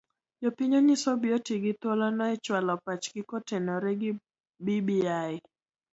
Jopiny onyis obi oti gi thuolono e chualo pachgi kotenore gi bbi